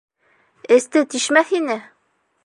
Эсте тишмәҫ ине!